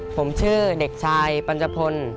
ผมชื่อเด็กชายปัญจพล